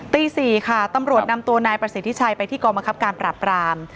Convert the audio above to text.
ตี๔ค่ะตำรวจนำตัวนายประสิทธิชัยไปที่กองบังคับการปราบราม